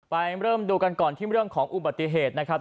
เริ่มดูกันก่อนที่เรื่องของอุบัติเหตุนะครับ